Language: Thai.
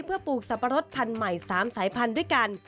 เพื่อปลูกสับปะรดพันธุ์ใหม่๓สายพันธุ์ด้วยกัน